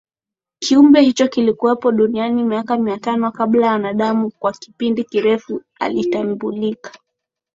Kiumbe hicho kilikuwepo duniani miaka Mia tano kabla ya wanadamuKwa kipindi kirefu alitambulika